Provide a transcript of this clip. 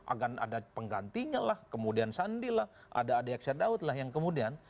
akan ada penggantinya lah kemudian sandi lah ada ada yaksa daud lah yang kemudian